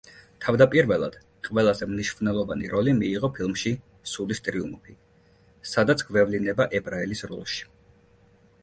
თავდაპირველად ყველაზე მნიშვნელოვანი როლი მიიღო ფილმში „სულის ტრიუმფი“, სადაც გვევლინება ებრაელის როლში.